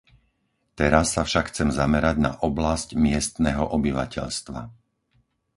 Teraz sa však chcem zamerať na oblasť miestneho obyvateľstva.